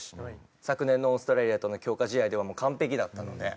昨年のオーストラリアとの強化試合ではもう完璧だったので。